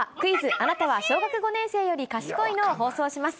あなたは小学５年生より賢いの？を放送します。